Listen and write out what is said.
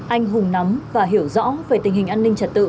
anh hùng nắm và hiểu rõ về tình hình an ninh trật tự